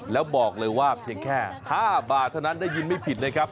แล้วบอกเลยว่าเพียงแค่๕บาทเท่านั้นได้ยินไม่ผิดนะครับ